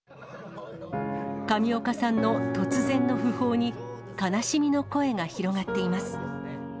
上岡さんの突然の訃報に、悲しみの声が広がっています。